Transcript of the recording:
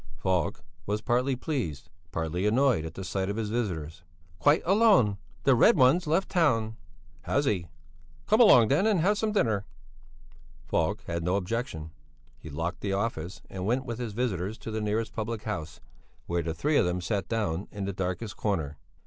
Falk was partly pleased, partly annoyed at the sight of his visitors. "Quite alone; the Red One's left town." "Has he? Come along then and have some dinner." Falk had no objection; he locked the office and went with his visitors to the nearest public house, where the three of them sat down in the darkest corner.